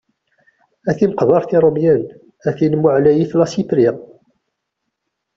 A timeqbert n yirumyen, a tin mu ɛlayit Lassipri.